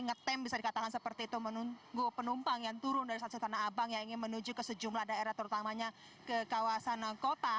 ngetem bisa dikatakan seperti itu menunggu penumpang yang turun dari stasiun tanah abang yang ingin menuju ke sejumlah daerah terutamanya ke kawasan kota